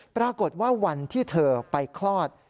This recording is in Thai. ปรากฏว่าวันที่เธอไปคลอด